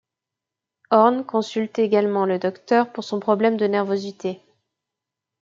Orn consulte également le docteur pour son problème de nervosité.